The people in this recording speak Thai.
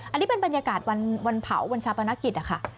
อันนี้เป็นบรรยากาศวันเผาวันชาปนกิจนะคะ